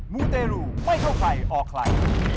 มูเตรูไม่เข้าไข่ออกไข่